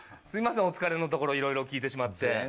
すいませんお疲れのところいろいろ聞いてしまって。